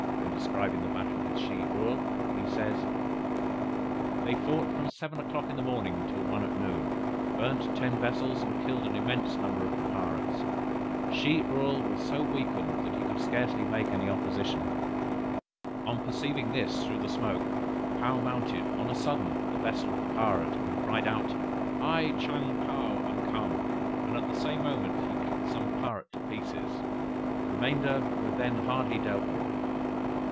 When describing the battle with Shih Url, he says: "They fought from seven o'clock in the morning till one at noon, burnt ten vessels, and killed an immense number of the pirates. Shih Url was so weakened that he could scarcely make any opposition. On perceiving this through the smoke, Paou mounted on a sudden the vessel of the pirate, and cried out: 'I Chang Paou am come,' and at the same moment he cut some pirates to pieces; the remainder were then hardly dealt with.